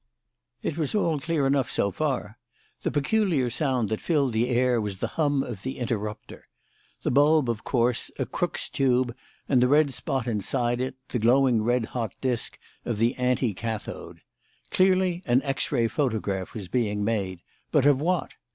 It was all clear enough so far. The peculiar sound that filled the air was the hum of the interrupter; the bulb was, of course, a Crookes tube, and the red spot inside it, the glowing red hot disc of the anti cathode. Clearly an X ray photograph was being made; but of what?